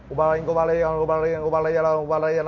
โอเค